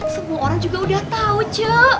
semua orang juga udah tau c